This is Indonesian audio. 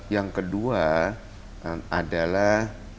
yang kedua adalah